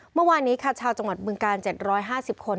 เมื่อวานนี้ค่ะชาวจังหวัดเบื้องกาลเจ็ดร้อยห้าสิบคน